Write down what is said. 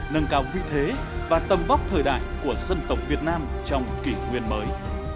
nâng cao vị thế và tầm vóc thời đại của dân tộc việt nam trong kỷ nguyên mới